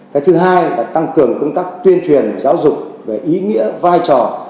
cái thứ hai là tăng cường công tác tuyên truyền giáo dục về ý nghĩa vai trò